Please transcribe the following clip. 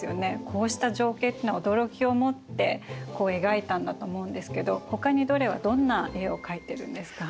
こうした情景っていうのは驚きを持って描いたんだと思うんですけどほかにドレはどんな絵を描いてるんですか？